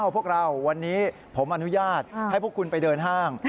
พวกเราวันนี้ผมอนุญาตให้พวกคุณไปเดินห้าง